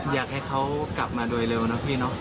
อยากให้เขากลับมาโดยเร็วนะพี่เนอะ